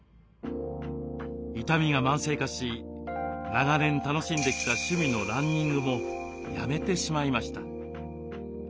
痛みが慢性化し長年楽しんできた趣味のランニングもやめてしまいました。